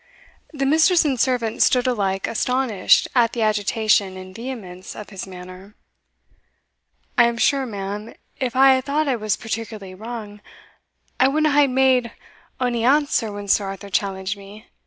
The mistress and servant stood alike astonished at the agitation and vehemence of his manner. "I am sure, ma'am, if I had thought I was particularly wrang, I wadna hae made ony answer when Sir Arthur challenged me.